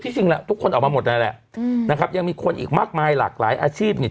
จริงแหละทุกคนออกมาหมดนั่นแหละนะครับยังมีคนอีกมากมายหลากหลายอาชีพเนี่ย